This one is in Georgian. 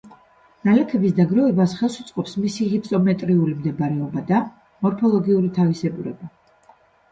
ნალექების დაგროვებას ხელს უწყობს მისი ჰიფსომეტრიული მდებარეობა და მორფოლოგიური თავისებურება.